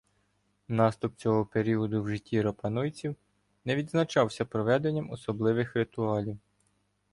Наступ цього періоду в житті рапануйців не відзначався проведенням особливих ритуалів.